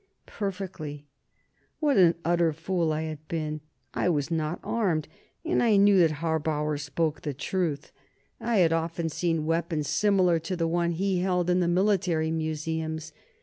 "Perfectly." What an utter fool I had been! I was not armed, and I knew that Harbauer spoke the truth. I had often seen weapons similar to the one he held in the military museums.